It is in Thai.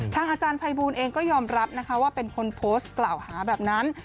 อาจารย์ภัยบูลเองก็ยอมรับนะคะว่าเป็นคนโพสต์กล่าวหาแบบนั้น